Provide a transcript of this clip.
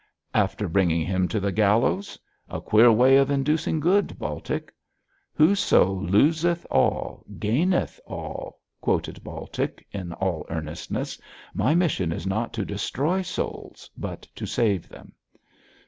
'After bringing him to the gallows. A queer way of inducing good, Baltic.' 'Whoso loseth all gaineth all,' quoted Baltic, in all earnestness; 'my mission is not to destroy souls but to save them.'